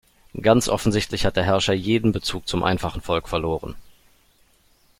Ganz offensichtlich hat der Herrscher jeden Bezug zum einfachen Volk verloren.